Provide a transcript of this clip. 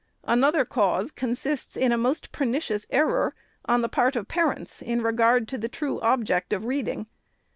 Another cause con sists in a most pernicious error on the part of parents in regard to the true objects of reading.